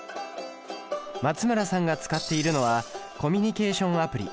松村さんが使っているのはコミュニケーションアプリ。